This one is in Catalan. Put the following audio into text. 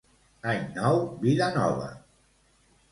Any nou vida nova